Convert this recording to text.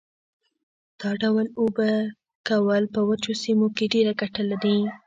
دا ډول اوبه کول په وچو سیمو کې ډېره ګټه لري.